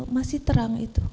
masih terang itu